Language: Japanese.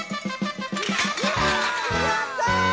やった！